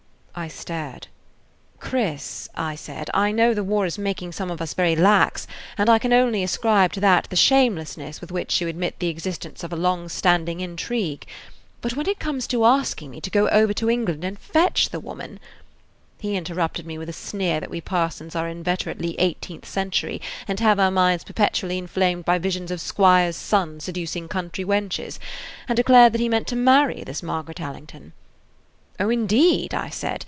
I stared. "Chris," I said, "I know the war is making some of us very lax, and I can only ascribe to that the shamelessness with which you admit the existence of a long standing intrigue; but when it comes to asking me to go over to England and fetch the woman–" He interrupted me with a sneer that we parsons are inveterately eighteenth century and have our minds perpetually inflamed by visions of squires' sons seducing country wenches, and declared [Page 38] that he meant to marry this Margaret Allington. "Oh, indeed!" I said.